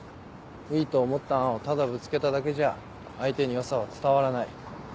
いいと思った案をただぶつけただけじゃ相手に良さは伝わらない。